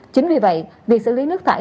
chính vì vậy việc xử lý nước thải